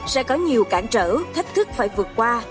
sẽ có nhiều cản trở thách thức phải vượt qua